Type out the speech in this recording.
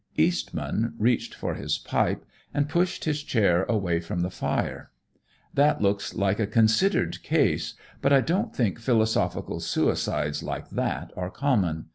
Eastman reached for his pipe and pushed his chair away from the fire. "That looks like a considered case, but I don't think philosophical suicides like that are common.